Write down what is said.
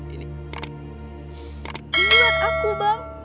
ini buat aku bang